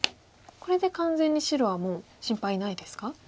これで完全に白はもう心配ないですか？